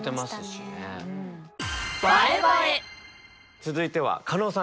続いては加納さん